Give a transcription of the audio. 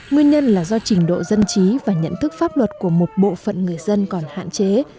nguyên nhân là do trình độ dân trí và nhận thức pháp luật của một bộ phận người dân còn hạn chế